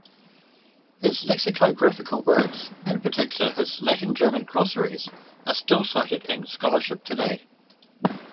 His lexicographical works, in particular his Latin-German glossaries are still cited in scholarship today.